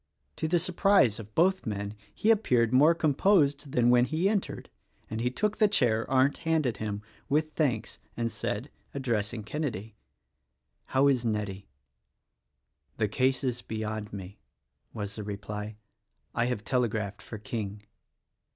To the surprise of both men he appeared more com posed than when he entered; and he took the chair Arndt handed him, with thanks and said, — addressing Kenedy, — "How is Nettie?" "The case is beyond me," was the reply, "I have tele graphed for King."